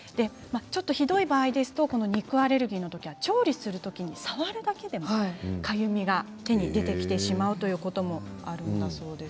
ひどい場合ですと肉アレルギーは調理をするとき触るだけでも、かゆみが出てきてしまうということもあるんだそうです。